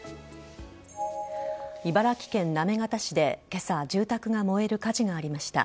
茨城県行方市でけさ、住宅が燃える火事がありました。